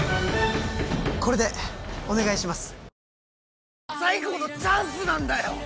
これでお願いします